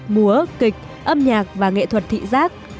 múa kịch âm nhạc và nghệ thuật thị giác